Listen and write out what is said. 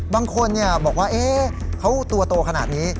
บางคนเนี่ยบอกว่าเอ๊ะเขาตัวโตขนาดนี้